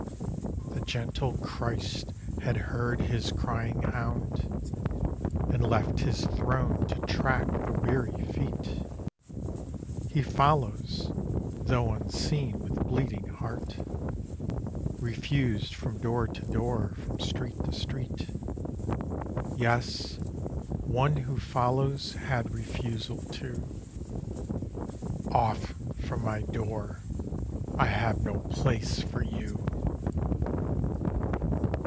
The gentle Christ had heard His crying hound, And left His throne to track the weary feet. He follows, though unseen, with bleeding heart, Refused from door to door, from street to street. Yes, one who follows had refusal too. "Off from my door! I have no place for you."